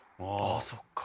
ああそっか。